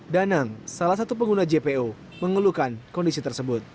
danang salah satu pengguna jpo mengeluhkan kondisi tersebut